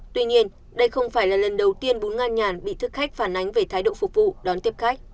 tuy nhiên đây không phải là lần đầu tiên bún ngang nhàn bị thức khách phản ánh về thái độ phục vụ đón tiếp khách